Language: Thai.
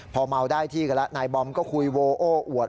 พอเมาได้ที่กันแล้วนายบอมก็คุยโวโอ้อวด